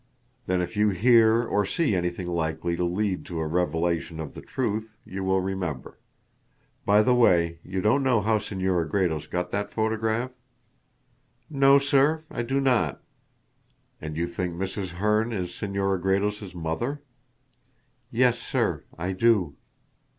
"Then if you hear or see anything likely to lead to a revelation of the truth, you will remember. By the way, you don't know how Senora Gredos got that photograph?" "No, sir, I do not." "And you think Mrs. Herne is Senora Gredos' mother?" "Yes, sir, I do."